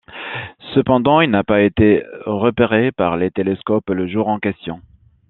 Cependant, il n'a pas été repéré par les télescopes le jour en question.